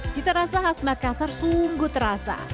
cita rasa khas makassar sungguh terasa